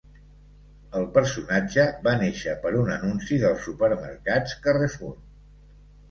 El personatge va néixer per un anunci dels supermercats Carrefour.